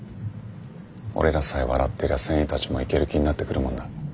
俺らさえ笑ってりゃ船員たちもイケる気になってくるもんだ。